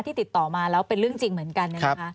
ติดต่อมาแล้วเป็นเรื่องจริงเหมือนกัน